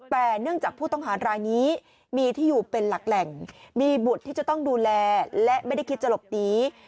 แต่เนื่องจากผู้ต้องหารายนี้มีที่อยู่เป็นหลักแหล่งมีบุตรที่จะต้องดูแลและไม่ได้คิดจะหลบหนี